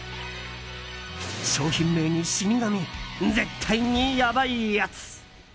商品名に死神絶対にやばいやつ！